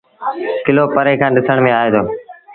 ڪلو پري کآݩ ڏسڻ ميݩ آئي دو۔